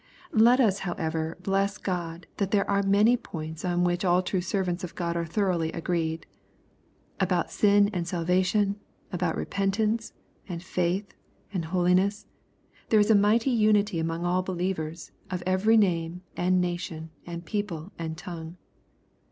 Let us, however, bless God that there are many points on which all true servants of God are thoroughly agreed. About sinand salvation, about repentance, and faith, and holiness, there is a mighty unity among all believers, of every name, and nation, and people, and tongue.